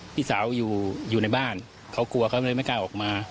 พี่สาวอยู่ในบ้านเขากลัวเขาเลยไม่กล้าออกมา